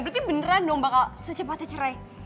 berarti beneran dong bakal secepatnya cerai